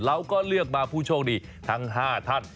เราก็เลือกมาผู้โชคดีทั้ง๕ท่าน